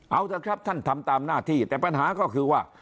เอาเถอะครับท่านทำตามหน้าที่แต่ปัญหาก็คือว่า